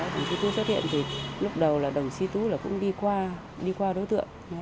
đồng chí tú xuất hiện thì lúc đầu là đồng chí tú cũng đi qua đối tượng